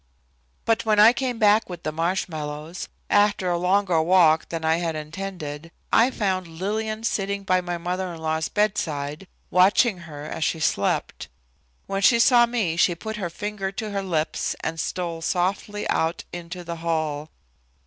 But when I came back with the marshmallows, after a longer walk than I had intended, I found Lillian sitting by my mother in law's bedside, watching her as she slept. When she saw me she put her finger to her lips and stole softly out into the hall.